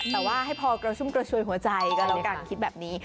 แต่ว่าให้พอเกราะชุมเกราะชื้อหัวใจก่อนละกันคิดแบบนี้